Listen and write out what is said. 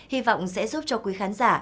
hy vọng sẽ giúp cho quý khán giả